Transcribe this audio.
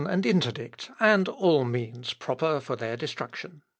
and interdict, and all means proper for their destruction.